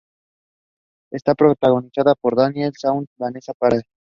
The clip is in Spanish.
Está protagonizada por Daniel Auteuil y Vanessa Paradis.